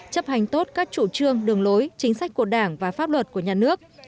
chấp hành tốt các chủ trương đường lối chính sách của đảng và pháp luật của nhà nước